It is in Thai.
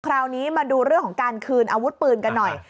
คราวนี้มาดูเรื่องของการคืนอาวุธปืนกันหน่อย